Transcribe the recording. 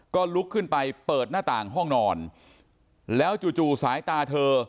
ก็ลุกขึ้นไปเปิดหน้าต่างห้องนอนแล้วจู่สายตาเธอ